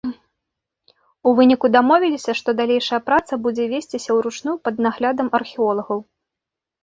У выніку дамовіліся, што далейшая праца будуць весціся ўручную пад наглядам археолагаў.